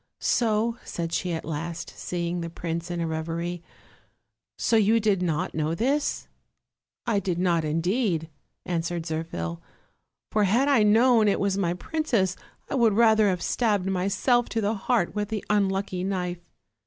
"So," said she at last, seeing the prince in a reverie "so you did not know this?" "I did not, indeed," answered Zirphil; "for had I known it was my princess I would rather have stabbed myself to the heart with the unlucky knife."